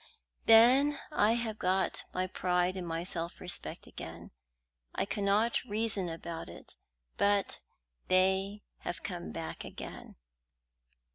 "Then I have got back my pride and my self respect again. I cannot reason about it, but they have come back again."